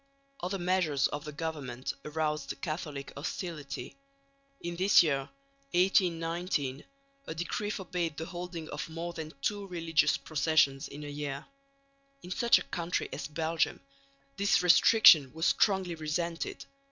Other measures of the government aroused Catholic hostility. In this year, 1819, a decree forbade the holding of more than two religious processions in a year. In such a country as Belgium this restriction was strongly resented.